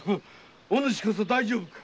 おぬしこそ大丈夫か？